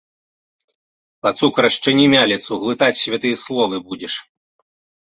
Пацук, расчыні мяліцу, глытаць святыя словы будзеш.